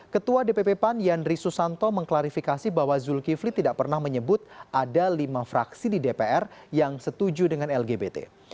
ketua dpp pan yandri susanto mengklarifikasi bahwa zulkifli tidak pernah menyebut ada lima fraksi di dpr yang setuju dengan lgbt